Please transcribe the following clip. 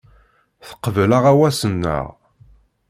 Teqbel aɣawas-nneɣ.